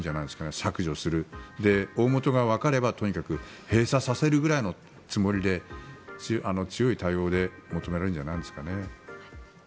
削除する、で、大本がわかればとにかく閉鎖させるぐらいのつもりで強い対応が求められるんじゃないですかね。